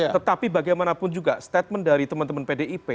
tetapi bagaimanapun juga statement dari teman teman pdip